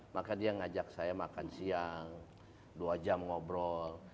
maka dia ngajak saya makan siang dua jam ngobrol